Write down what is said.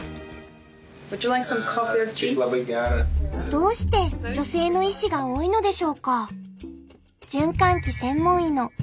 どうして女性の医師が多いのでしょうか？